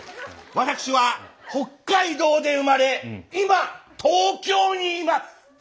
「私は北海道で生まれ今東京にいます。